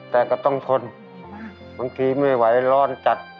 แต่ก็ต้องทนบางทีไม่ไหวร้อนจัด